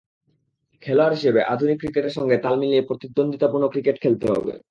খেলোয়াড় হিসেবে আধুনিক ক্রিকেটের সঙ্গে তাল মিলিয়ে প্রতিদ্বন্দ্বিতাপূর্ণ ক্রিকেট খেলতে হবে।